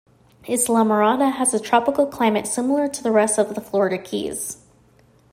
Islamorada has a tropical climate similar to the rest of the Florida Keys.